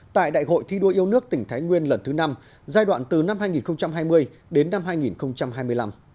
tại đại hội thi đua yêu nước tỉnh thái nguyên lần thứ năm giai đoạn từ năm hai nghìn hai mươi đến năm hai nghìn hai mươi năm